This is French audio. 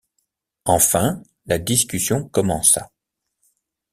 Enfin, la discussion commença.